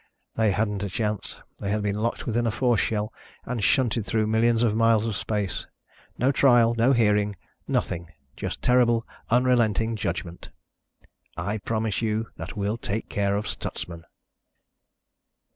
They hadn't a chance. They had been locked within a force shell and shunted through millions of miles of space. No trial, no hearing ... nothing. Just terrible, unrelenting judgment. "_I promise you that we'll take care of Stutsman!